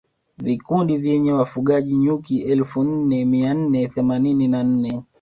Vikundi vyenye wafugaji nyuki elfu nne mia nne themanini na nne